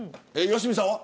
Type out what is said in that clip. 良純さんは。